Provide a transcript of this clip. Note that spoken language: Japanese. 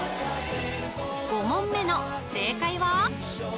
５問目の正解は？